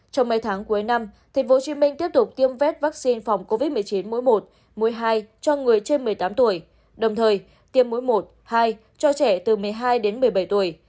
trong mấy tháng cuối năm tp hcm tiếp tục tiêm vaccine phòng covid một mươi chín mỗi một mũi hai cho người trên một mươi tám tuổi đồng thời tiêm mũi một hai cho trẻ từ một mươi hai đến một mươi bảy tuổi